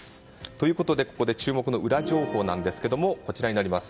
ということでここで注目のウラ情報です。